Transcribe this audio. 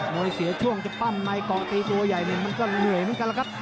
โมยเสียช่วงจะปั้นไหมกอกตีตัวใหญ่นี่มันก็เหนื่อยเหมือนกันล่ะครับ